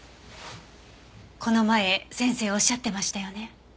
この前先生おっしゃってましたよね。